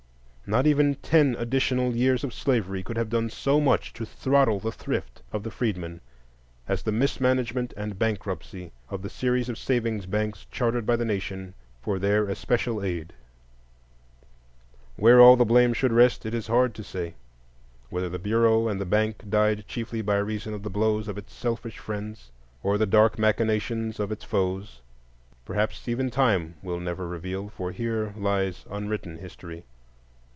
Not even ten additional years of slavery could have done so much to throttle the thrift of the freedmen as the mismanagement and bankruptcy of the series of savings banks chartered by the Nation for their especial aid. Where all the blame should rest, it is hard to say; whether the Bureau and the Bank died chiefly by reason of the blows of its selfish friends or the dark machinations of its foes, perhaps even time will never reveal, for here lies unwritten history.